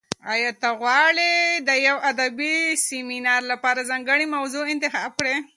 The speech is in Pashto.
ایا ته غواړې د یو ادبي سیمینار لپاره ځانګړې موضوع انتخاب کړې؟